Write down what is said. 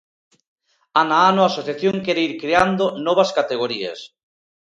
Ano a ano a asociación quere ir creando novas categorías.